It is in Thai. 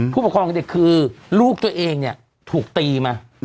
ผู้ประคองของเด็กคือลูกตัวเองถูกตีมา